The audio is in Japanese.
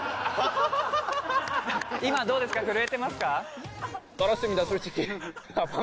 今どうですか震えてますか？